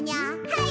はい。